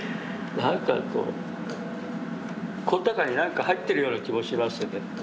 なんかこうこの中に何か入ってるような気もしますよね。